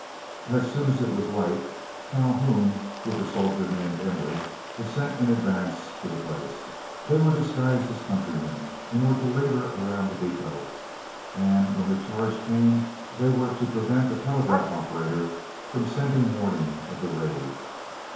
As soon as it was light, Calhoun, with a soldier named Emory, was sent in advance to the place. They were disguised as countrymen, and were to linger around the depot, and when the charge came they were to prevent the telegraph operator from sending warning of the raid.